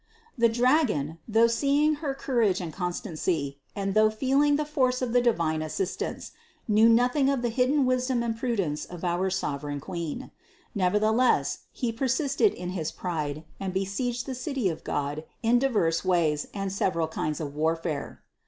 697. The dragon, though seeing her courage and constancy, and though feeling the force of the divine assistance, knew nothing of the hidden wisdom and pru dence of our sovereign Queen. Nevertheless he persisted in his pride and besieged the City of God in diverse ways and several kinds of warfare.